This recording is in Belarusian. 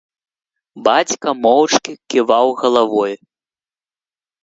Бацька моўчкі ківаў галавой.